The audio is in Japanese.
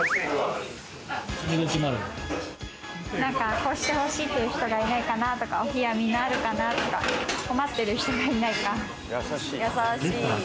こうしてほしいという人がいないかなとか、お冷やみんなあるかなとか、困ってる人がいないか。